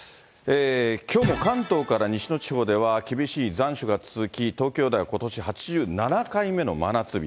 きょうも関東から西の地方では厳しい残暑が続き、東京ではことし８７回目の真夏日。